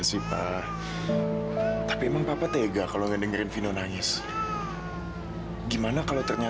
sampai jumpa di video selanjutnya